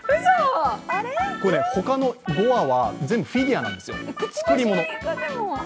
他の５羽は全部フィギュアなんです、作り物。